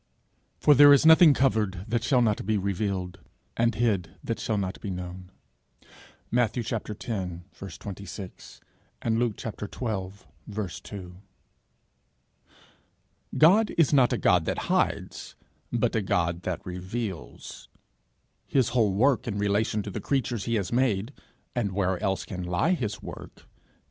For there is nothing covered, that shall not be revealed; and hid, that shall not be known. Matthew x. 26; Luke xii. 2. God is not a God that hides, but a God that reveals. His whole work in relation to the creatures he has made and where else can lie his work?